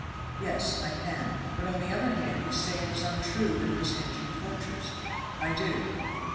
"Yes, I can." "But on the other hand you say it is untrue that this engine tortures?" "I do."